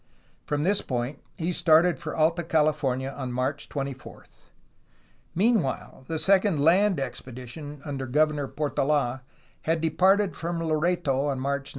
From this point he started for Alta Cahfornia on March 24. Meanwhile the second land expedition, under Go verm T Portola, had departed from Loreto on March 9.